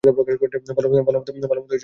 ভালোমত ঠিক কর।